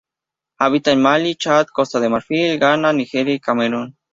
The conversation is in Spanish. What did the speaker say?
Habita en Malí, Chad, Costa de Marfil, Ghana, Nigeria y Camerún.